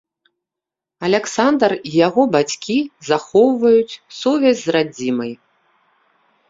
Аляксандр і яго бацькі захоўваюць сувязь з радзімай.